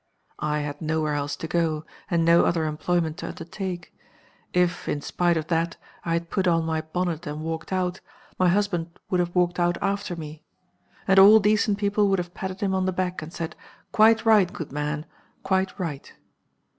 I had nowhere else to go, and no other employment to undertake. If, in spite of that, I had put on my bonnet and walked out, my husband would have walked out after me. And all decent people would have patted him on the back, and said, 'Quite right, good man quite right.